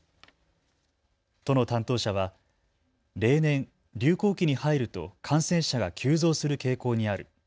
都の担当者は例年、流行期に入ると感染者が急増する傾向にある。